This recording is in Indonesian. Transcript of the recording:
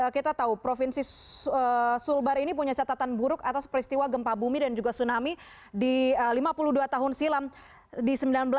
kita tahu provinsi sulbar ini punya catatan buruk atas peristiwa gempa bumi dan juga tsunami di lima puluh dua tahun silam di seribu sembilan ratus sembilan puluh